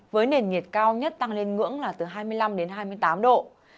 với nền nhiệt cao nhất tăng lên ngưỡng là từ hai mươi năm đến hai mươi tám độ